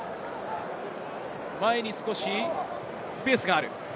前に少しスペースがある。